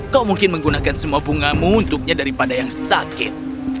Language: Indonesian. kau mungkin menggunakan semua bungamu untuknya daripada yang sakit